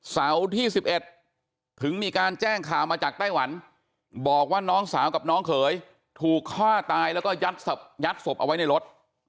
เสาร์ที่๑๑ถึงมีการแจ้งข่าวมาจากไต้หวันบอกว่าน้องสาวกับน้องเขยถูกฆ่าตายแล้วก็ยัดศพเอาไว้ในรถ